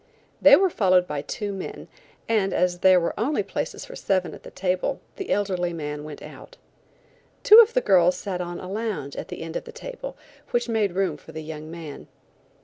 They were followed by two men and as there were only places for seven at the table the elderly man went out. Two of the girls sat on a lounge at the end of the table, which made room for the young man.